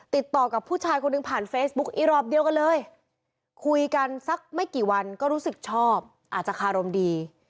ติดต่อกับผู้ชายคนหนึ่งผ่านเฟซบุ๊กอีรอบเดียวกันเลยคุยกันสักไม่กี่วันก็รู้สึกชอบอาจจะคารมดี